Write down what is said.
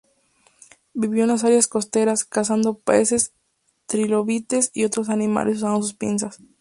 Vivió en las áreas costeras, cazando peces, trilobites y otros animales usando sus pinzas.